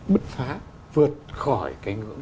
bứt phá vượt khỏi cái ngưỡng